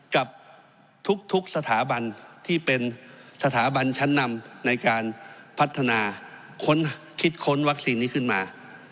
กับทุกสถาบันที่เป็นสถาบันชั้นนำในการพัฒนาคิดค้นวัคซีนนี้ขึ้นมา